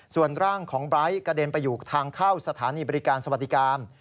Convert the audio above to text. ส่วนร่างของไบร์ทกระเด็นไปอยู่ทางเข้าสถานีบริการสวัสดิการ